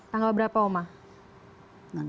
tanggal berapa umar